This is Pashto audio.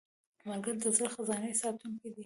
ملګری د زړه خزانې ساتونکی دی